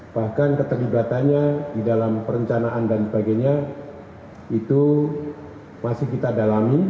bahkan keterlibatannya di dalam perencanaan dan sebagainya itu masih kita dalami